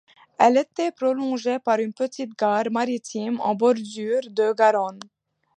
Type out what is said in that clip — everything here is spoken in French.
Elle était prolongée par une petite gare maritime en bordure de Garonne.